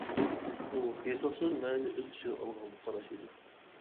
ئۇ ھېسابسىز مەنىنى ئۆز ئىچىگە ئالغان قاراش ئىدى.